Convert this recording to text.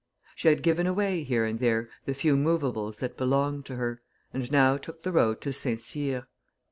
She had given away here and there the few movables that belonged to her, and now took the road to St. Cyr.